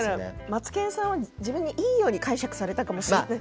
マツケンさんは自分にいように解釈されたかもしれない。